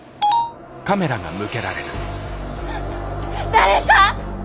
誰か！